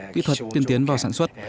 kỹ thuật tiên tiến vào sản xuất